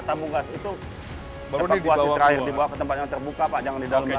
tabung gas itu baru dibawa ke tempat yang terbuka pak jangan di dalam lagi